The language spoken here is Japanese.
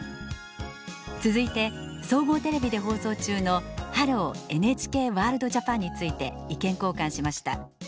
続いて総合テレビで放送中の「ハロー！ＮＨＫワールドＪＡＰＡＮ」について意見交換しました。